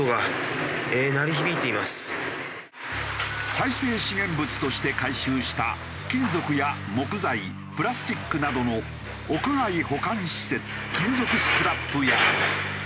再生資源物として回収した金属や木材プラスチックなどの屋外保管施設金属スクラップヤード。